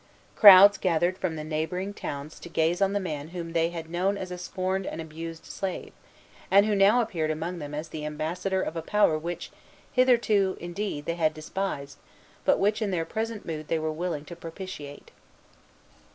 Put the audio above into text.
Crowds gathered from the neighboring towns to gaze on the man whom they had known as a scorned and abused slave, and who now appeared among them as the ambassador of a power which hitherto, indeed, they had despised, but which in their present mood they were willing to propitiate.